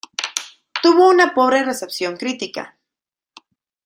Tuvo una pobre recepción crítica.